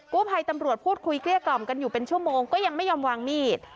ภัยตำรวจพูดคุยเกลี้ยกล่อมกันอยู่เป็นชั่วโมงก็ยังไม่ยอมวางมีด